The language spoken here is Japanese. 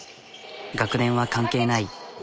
学年は関係ない。